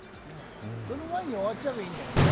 その前に終わっちゃえばいいんだけどね。